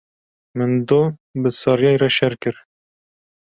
Min doh bi Saryayê re şer kir.